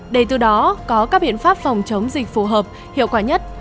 để từ đó có các biện pháp phòng chống dịch phù hợp hiệu quả nhất